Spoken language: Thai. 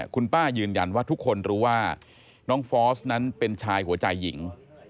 คุณป้ายืนยันว่าทุกคนรู้ว่าน้องฟอสนั้นเป็นชายหัวใจหญิง